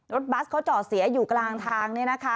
รถบัสเขาเจาะเสียอยู่กลางทางเนี่ยนะคะ